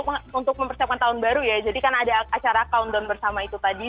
karena untuk mempersiapkan tahun baru ya jadi kan ada acara countdown bersama itu tadi